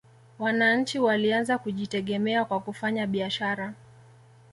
wananchi walianza kujitegemea kwa kufanya biashara